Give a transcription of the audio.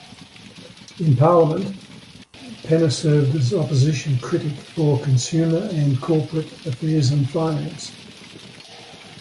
In parliament, Penner served as opposition critic for Consumer and Corporate Affairs and Finance.